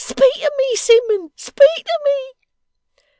Speak to me, Simmun. Speak to me!